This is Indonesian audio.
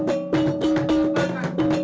kamar di ruangan ini